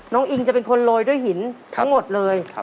อิงจะเป็นคนโรยด้วยหินทั้งหมดเลย